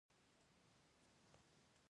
له علومو سره محض سیاسي چلند شوی.